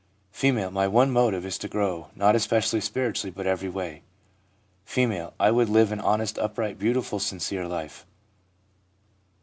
' F. ' My one motive is to grow, not especially spiritually, but every way/ F. ' I would live an honest, upright, beautiful, sincere life.'